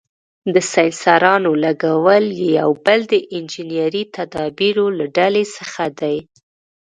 د سېنسرونو لګول یې یو بل د انجنیري تدابیرو له ډلې څخه دی.